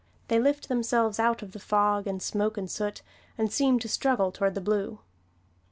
They lift themselves out of the fog and smoke and soot, and seem to struggle toward the blue.